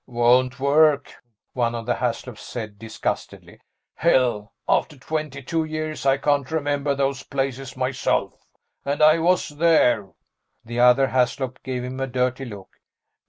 "Won't work," one of the Haslops said disgustedly. "Hell, after twenty two years I can't remember those places myself, and I was there." The other Haslop gave him a dirty look.